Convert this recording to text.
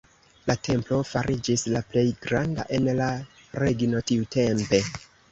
La templo fariĝis la plej granda en la regno tiutempe.